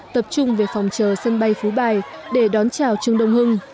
tập trung về phòng chờ sân bay phú bài để đón chào trường đông hưng